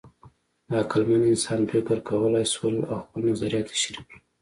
د عقلمن انسانان فکر کولی شول او خپل نظریات یې شریک کړل.